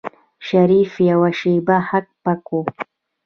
شريف يوه شېبه هک پک و.